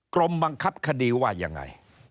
กรมบังคับคดีว่ายังไง